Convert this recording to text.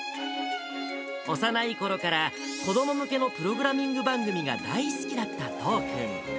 幼いころから、子ども向けのプログラミング番組が大好きだった都央君。